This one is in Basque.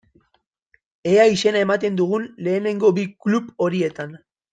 Ea izena ematen dugun lehenengo bi klub horietan.